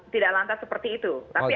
tidak langka seperti itu tapi